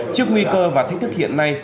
trước nguy cơ và thách thức hiện nay